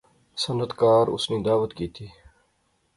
صنعتکار اس نی دعوت کیتی